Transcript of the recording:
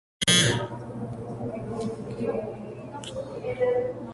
El producto de estas ventas sería destinado al Fondo de Solidaridad.